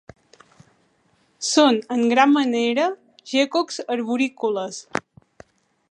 Són, en gran manera, geckos arborícoles.